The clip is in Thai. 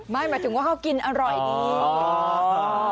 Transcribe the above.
หมายถึงว่าเขากินอร่อยดี